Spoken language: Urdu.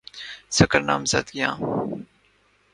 سکر نامزدگیاں